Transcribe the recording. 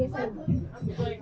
dari tahun kok